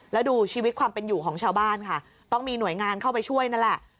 แล้วดูชีวิตความเป็นอยู่ของชาวบ้านค่ะต้องมีหน่วยงานเข้าไปช่วยนั่นแหละ